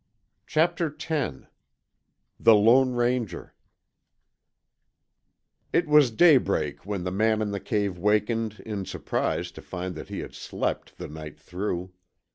Chapter X THE LONE RANGER It was daybreak when the man in the cave wakened in surprise to find that he had slept the night through.